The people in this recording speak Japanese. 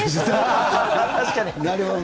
確かに。